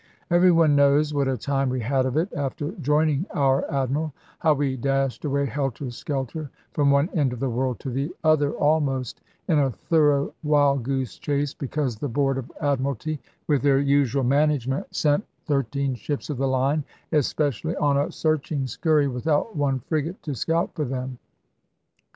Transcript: Every one knows what a time we had of it, after joining our Admiral; how we dashed away helter skelter, from one end of the world to the other almost, in a thorough wild goose chase, because the Board of Admiralty, with their usual management, sent thirteen ships of the line especially on a searching scurry without one frigate to scout for them!